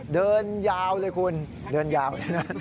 เดินยาวเลยคุณเดินยาว